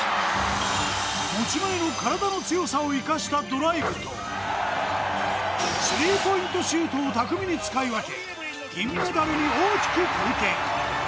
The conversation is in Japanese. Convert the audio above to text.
持ち前の体の強さを生かしたドライブと３Ｐシュートを巧みに使い分け銀メダルに大きく貢献